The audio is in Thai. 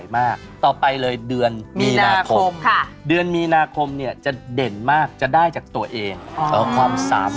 ไม่ได้เกี่ยวกับล้านล้าน